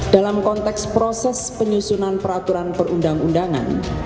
dalam konteks proses penyusunan peraturan perundang undangan